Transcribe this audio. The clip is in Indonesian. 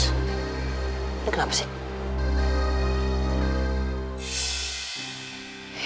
ini kenapa sih